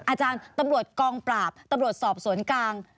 อาจารย์ตำรวจกองปราบตำรวจสอบสวนกลาง